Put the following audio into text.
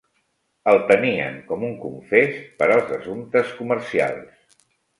El tenien com un confés per els assumptes comercials